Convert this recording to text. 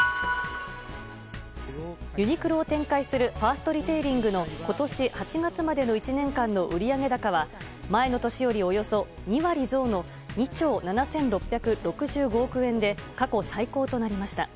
ユニクロを展開するファーストリテイリングの今年８月までの１年間の売上高は前の年より、およそ２割増の２兆７６６５億円で過去最高となりました。